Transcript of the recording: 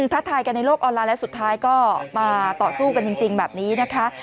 ท้าทายกันในโลกออนไลน์แล้วสุดท้ายก็มาต่อสู้กันจริงแบบนี้นะคะ